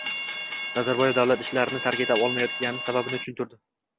Nazarboyev davlat ishlarini tark eta olmayotgani sababini tushuntirdi